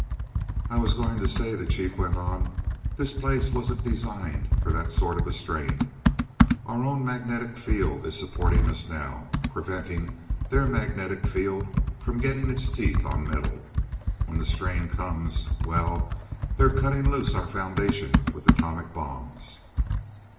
"I was going to say," the Chief went on, "this place wasn't designed for that sort of a strain. Our own magnetic field is supporting us now, preventing their magnetic field from getting its teeth on metal. When the strain comes well, they're cutting loose our foundation with atomic bombs!"